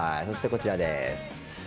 そしてこちらです。